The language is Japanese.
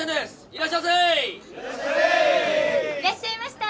いらっしゃいました！